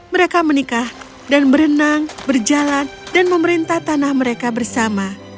mereka menikah dan berenang berjalan dan memerintah tanah mereka bersama